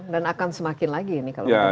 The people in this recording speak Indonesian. dan akan semakin lagi nih kalo kita berjalan jalan